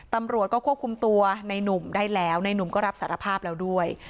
ตำรวจก็ควบคุมตัวในนุ่มได้แล้วในหนุ่มก็รับสารภาพแล้วด้วย